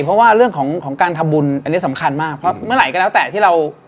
เพราะว่าเรื่องของการทำบุญอันนี้สำคัญมากเพราะเมื่อไหร่ก็แล้วแต่ที่เรา